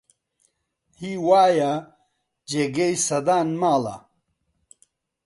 هی وایە جێگەی سەدان ماڵە